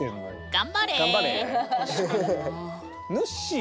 頑張れ。